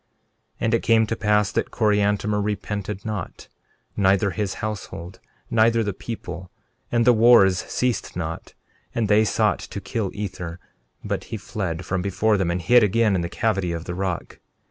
13:22 And it came to pass that Coriantumr repented not, neither his household, neither the people; and the wars ceased not; and they sought to kill Ether, but he fled from before them and hid again in the cavity of the rock.